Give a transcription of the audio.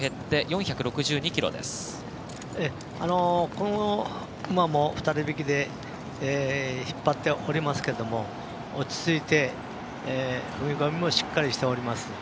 この馬も２人引きで引っ張っておりますけども落ち着いて踏み込みもしっかりしております。